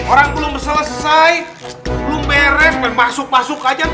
orang belum selesai belum beres bermaksud masuk aja